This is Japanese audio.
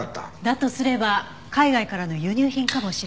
だとすれば海外からの輸入品かもしれないわね。